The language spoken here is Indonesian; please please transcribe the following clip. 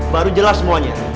baru jelas semuanya